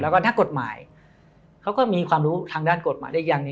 แล้วก็นักกฎหมายเขาก็มีความรู้ทางด้านกฎหมายได้ยัง